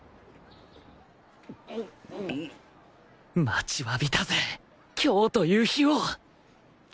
待ちわびたぜ今日という日を！